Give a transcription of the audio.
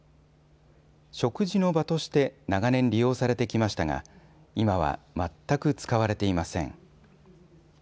食事の場として長年、利用されてきましたが、今は全く使われていません。